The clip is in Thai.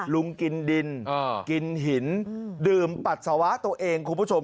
กินดินกินหินดื่มปัสสาวะตัวเองคุณผู้ชม